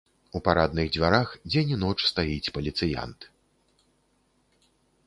У парадных дзвярах дзень і ноч стаіць паліцыянт.